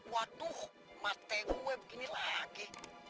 waduh mati gue begini lagi